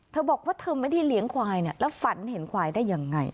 เธอบอกว่าเธอไม่ได้เลี้ยงควายเนี่ยแล้วฝันเห็นควายได้ยังไง